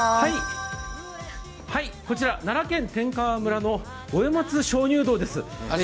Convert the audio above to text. こちら奈良県天川村の五代松鍾乳洞です。